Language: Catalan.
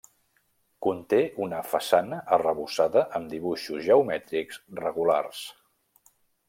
Conté una façana arrebossada amb dibuixos geomètrics regulars.